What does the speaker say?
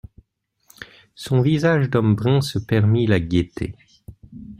Son visage d'homme brun se permit la gaieté.